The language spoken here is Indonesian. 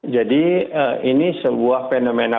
jadi ini sebuah fenomena